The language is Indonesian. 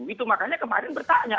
itu makanya kemarin bertanya